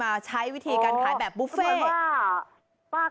แล้วถ้าผมกินแค่สามสิบบอโอเคไหม